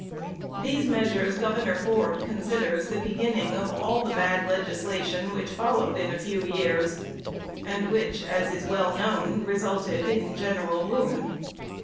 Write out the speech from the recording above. These measures Gov. Ford considers "the beginning of all the bad legislation which followed in a few years, and which, as is well known, resulted in general ruin."